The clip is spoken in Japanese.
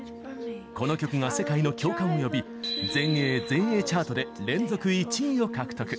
この曲が世界の共感を呼び全米・全英チャートで連続１位を獲得！